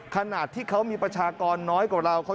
ขนาดที่เขามีประชากรน้อยกว่าเรา